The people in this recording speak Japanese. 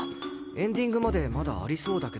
エンディングまでまだありそうだけど。